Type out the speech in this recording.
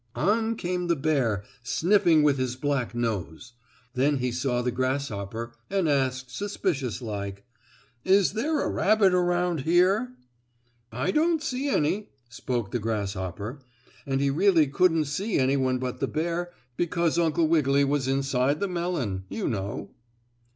On came the bear, sniffing with his black nose. Then he saw the grasshopper and asked, suspicious like: "Is there a rabbit around here?" "I don't see any," spoke the grasshopper, and he really couldn't see any one but the bear because Uncle Wiggily was inside the melon, you know.